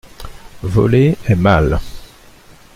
Voler est mal.